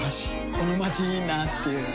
このまちいいなぁっていう